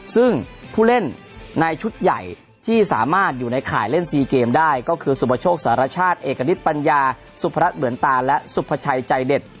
ซึ่งผู้เล่นในชุดใหญ่ที่สามารถอยู่ในข่ายเล่นซีเกมได้ก็คือสุประโชคสารชาติเอกณิตปัญญาสุพรัชเหมือนตาและสุภาชัยใจเด็ด